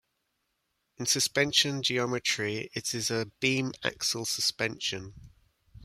In suspension geometry it is a beam axle suspension.